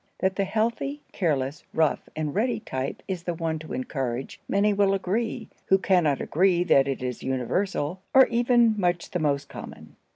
That the healthy, careless, rough and ready type is the one to encourage, many will agree, who cannot agree that it is universal, or even much the most common.